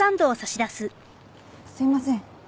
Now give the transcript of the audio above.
すいません。